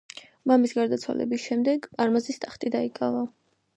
მამის გარდაცვალების შემდეგ, არმაზის ტახტი დაიკავა.